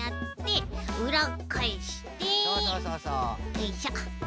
よいしょ。